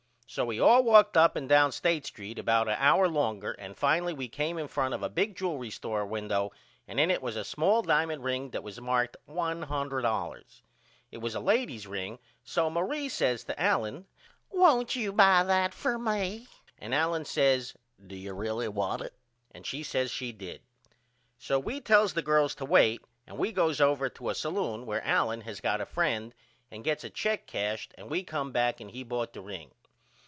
So we walked up and down State St. about a hour longer and finally we come in front of a big jewlry store window and in it was a swell dimond ring that was marked $100. It was a ladies' ring so Marie says to Allen Why don't you buy that for me? And Allen says Do you really want it? And she says she did. So we tells the girls to wait and we goes over to a salloon where Allen has got a friend and gets a check cashed and we come back and he bought the ring.